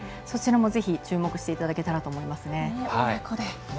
そちらもぜひ注目していただけたらと思います。